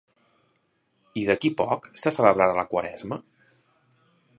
I d'aquí poc se celebrarà la Quaresma?